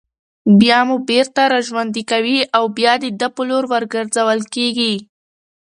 بيا مو بېرته راژوندي كوي او بيا د ده په لور ورگرځول كېږئ